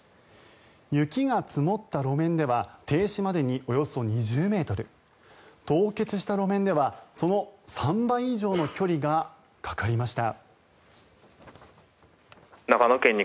雪が積もった路面では停止までにおよそ２０ｍ凍結した路面ではその３倍以上の距離がかかりました。